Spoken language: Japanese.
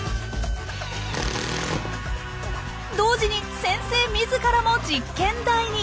同時に先生自らも実験台に！